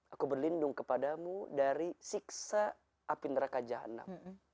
aku berlindung kepadamu dari siksa api neraka janab